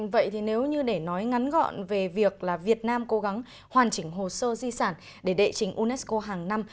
vậy thì nếu như để nói ngắn gọn về việc là việt nam cố gắng hoàn chỉnh hồ sơ di sản để đệ trình unesco hàng năm